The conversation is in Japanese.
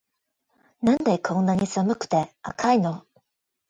なんでこんなに寒くて熱いの